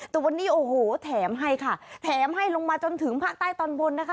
แต่วันนี้โอ้โหแถมให้ค่ะแถมให้ลงมาจนถึงภาคใต้ตอนบนนะคะ